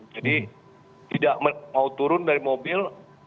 jadi tidak mau turun dari mobil